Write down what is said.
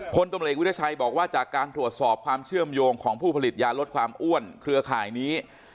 พลตำรวจเอกวิทยาชัยบอกว่าจากการตรวจสอบความเชื่อมโยงของผู้ผลิตยาลดความอ้วนเครือข่ายนี้